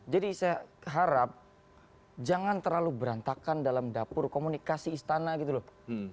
jadi saya harap jangan terlalu berantakan dalam dapur komunikasi istana gitu loh